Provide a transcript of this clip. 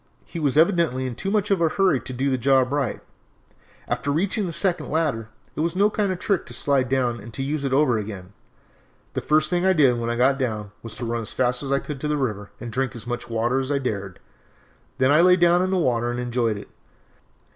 He was evidently in too much of a hurry to do the job up right. After reaching the second ladder, it was no kind of a trick to slide it down and use it over again. The first thing I did when I got down was to run as fast as I could to the river and drink as much water as I dared, then I lay down in the water and enjoyed it.